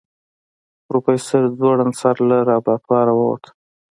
پروفيسر ځوړند سر له لابراتواره ووت.